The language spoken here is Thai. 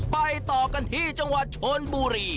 ไปต่อกันที่จังหวัดชนบุรี